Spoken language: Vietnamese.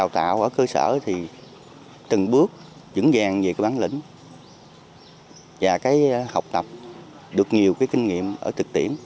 từng bước dẫn dàng về bán lĩnh và học tập được nhiều kinh nghiệm ở thực tiễn